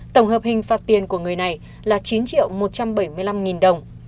tổng hợp hình phạt tiền của người này là chín triệu một trăm bảy mươi năm nghìn đồng